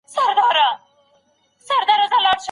ښه انسان تل صبر کوي